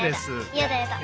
やだやだ。